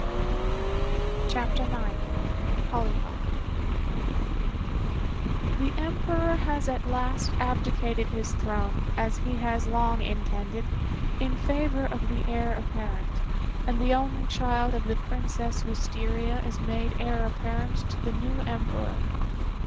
] CHAPTER IX HOLLYHOCK The Emperor has at last abdicated his throne, as he has long intended, in favor of the Heir apparent, and the only child of the Princess Wistaria is made Heir apparent to the new Emperor.